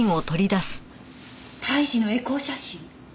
胎児のエコー写真？